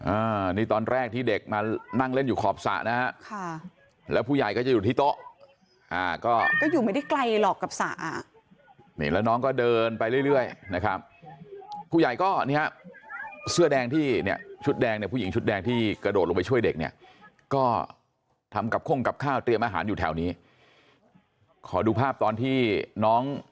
อ่านี่ตอนแรกที่เด็กมานั่งเล่นอยู่ขอบสระนะฮะค่ะแล้วผู้ใหญ่ก็จะอยู่ที่โต๊ะอ่าก็ก็อยู่ไม่ได้ไกลหรอกกับสระอ่ะนี่แล้วน้องก็เดินไปเรื่อยเรื่อยนะครับผู้ใหญ่ก็นี่ฮะเสื้อแดงที่เนี่ยชุดแดงเนี่ยผู้หญิงชุดแดงที่กระโดดลงไปช่วยเด็กเนี่ยก็ทำกับข้งกับข้าวเตรียมอาหารอยู่แถวนี้ขอดูภาพตอนที่น้อง